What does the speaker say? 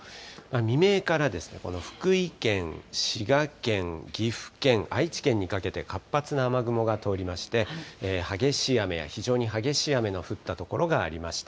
未明から福井県、滋賀県、岐阜県、愛知県にかけて活発な雨雲が通りまして、激しい雨や非常に激しい雨の降った所がありました。